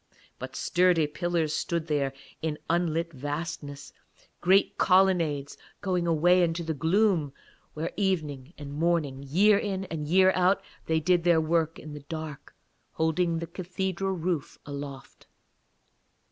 But sturdy pillars stood there in unlit vastnesses; great colonnades going away into the gloom, where evening and morning, year in year out, they did their work in the dark, holding the cathedral roof aloft.